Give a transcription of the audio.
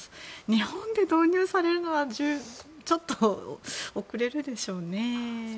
日本で導入されるのはちょっと遅れるでしょうね。